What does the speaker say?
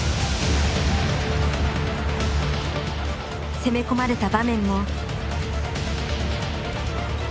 攻め込まれた場面も。